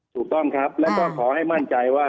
ถูกต้องครับแล้วก็ขอให้มั่นใจว่า